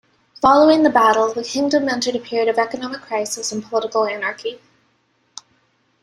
Following the battle, the kingdom entered a period of economic crisis and political anarchy.